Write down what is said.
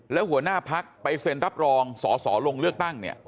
แล้วหัวหน้าพักไปเซ็นรับรองสอสอลงเลือกตั้งเนี่ย